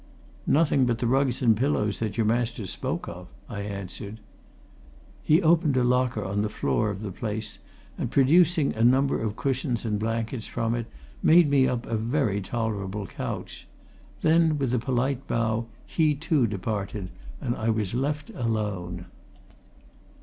"Nothing but the rugs and pillows that your master spoke of," I answered. He opened a locker on the floor of the place and producing a number of cushions and blankets from it made me up a very tolerable couch. Then, with a polite bow, he, too, departed, and I was left alone.